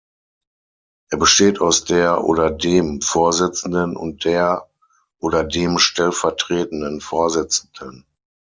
Er besteht aus der oder dem Vorsitzenden und der oder dem stellvertretenden Vorsitzenden.